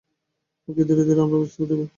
ওকে ধীরে ধীরে আমরা বুঝতে দিবো।